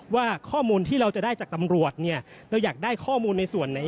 ว่าข้อมูลที่เราจะได้จากตำรวจเนี่ยเราอยากได้ข้อมูลในส่วนไหน